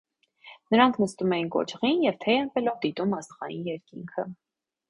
Նրանք նստում էին կոճղին և թեյ ըմպելով դիտում աստղային երկինքը։